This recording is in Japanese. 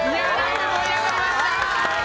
盛り上がりました！